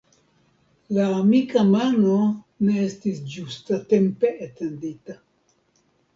La amika mano ne estis ĝustatempe etendita.